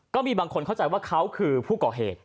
ก็มีบางคนเข้าใจว่าเขาคือผู้ก่อเหตุ